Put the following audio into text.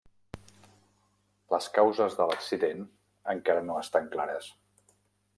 Les causes de l'accident encara no estan clares.